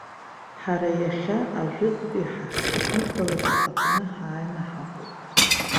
Ҳара иахьа ажәытәтәи ҳаҳҭны-қалақь аҟны ҳааины ҳаҟоуп.